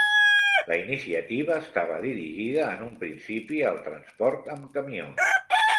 La iniciativa estava dirigida en un principi al transport amb camió.